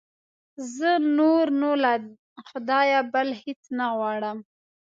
زه نور نو له خدایه بل هېڅ نه غواړم.